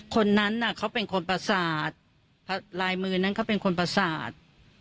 คนนั้นเขาเป็นคนประสาทลายมือนั้นเขาเป็นคนประสาท